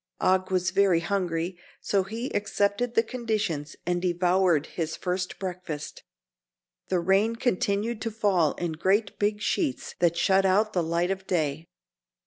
Og was very hungry, so he accepted the conditions and devoured his first breakfast. The rain continued to fall in great big sheets that shut out the light of day.